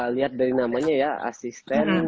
lihat dari namanya ya asisten